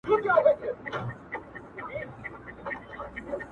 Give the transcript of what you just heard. چي شاهي و هر حيوان ته رسېدای سي